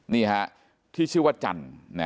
นี่ฮะที่ชื่อว่าจันทร์